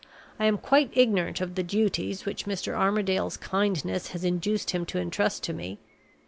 I am quite ignorant of the duties which Mr. Armadale's kindness has induced him to intrust to me.